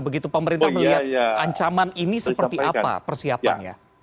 begitu pemerintah melihat ancaman ini seperti apa persiapannya